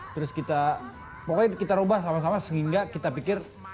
terus kita pokoknya kita ubah sama sama sehingga kita pikir